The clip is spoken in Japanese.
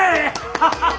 ハハハ！